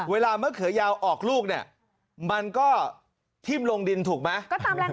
มะเขือยาวออกลูกเนี่ยมันก็ทิ้มลงดินถูกไหม